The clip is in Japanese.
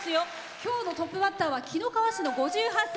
今日のトップバッターは紀の川市の５８歳。